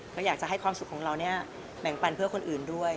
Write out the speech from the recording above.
ก็อยากจะให้ความสุขของเราเนี่ยแบ่งปันเพื่อคนอื่นด้วย